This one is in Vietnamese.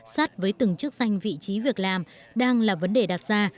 sát với từng chức danh vị trí việc làm đang là vấn đề đặt ra